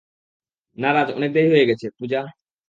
না রাজ, অনেক দেরি হয়ে গেছে, - পূজা।